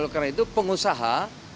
karena itu pengusaha